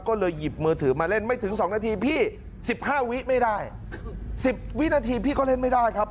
ก็เลยหยิบมือถือมาเล่นไม่ถึงสองนาทีพี่สิบห้าวิไม่ได้๑๐วินาทีพี่ก็เล่นไม่ได้ครับ